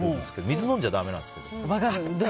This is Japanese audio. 水飲んじゃだめなんですけど。